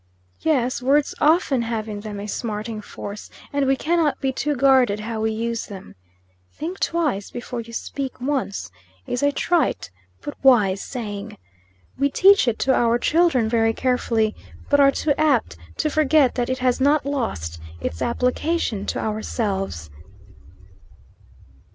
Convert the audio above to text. Yes, words often have in them a smarting force, and we cannot be too guarded how we use them. "Think twice before you speak once," is a trite, but wise saying. We teach it to our children very carefully, but are too apt to forget that it has not lost its application to ourselves.